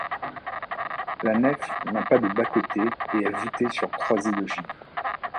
La nef n'a pas de bas-côté et est voûté sur croisée d'ogives.